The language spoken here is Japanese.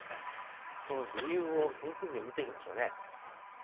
その理由を天気図で見ていきましょう。